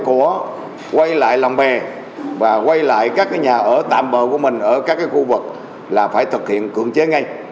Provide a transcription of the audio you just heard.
của quay lại lòng bè và quay lại các nhà ở tạm bờ của mình ở các khu vực là phải thực hiện cưỡng chế ngay